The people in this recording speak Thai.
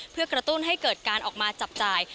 เพื่อกระตุ้นให้เกิดการออกมาจับจ่าย